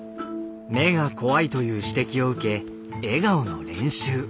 目が怖いという指摘を受け笑顔の練習。